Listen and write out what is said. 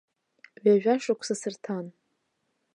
Ҩажәа шықәса сырҭан.